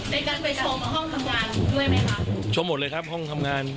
ในการไปชมห้องทำงานด้วยไหมคะชมหมดเลยครับห้องทำงาน